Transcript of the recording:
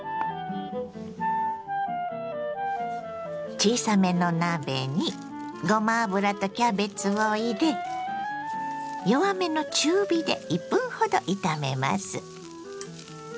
小さめの鍋にごま油とキャベツを入れ弱めの中火で１分ほど炒めます。